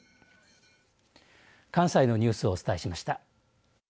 関西のニュースをお伝えしました。